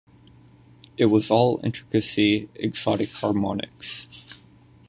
It was all intricacy, exotic harmonics.